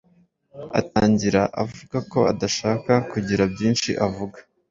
atangira avuga ko adashaka kugira byinshi avuga